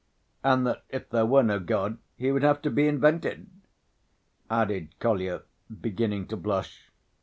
and that if there were no God He would have to be invented," added Kolya, beginning to blush.